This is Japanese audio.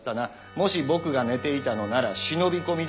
もし僕が寝ていたのなら忍び込みだ。